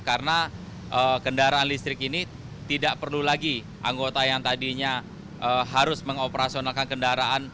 karena kendaraan listrik ini tidak perlu lagi anggota yang tadinya harus mengoperasionalkan kendaraan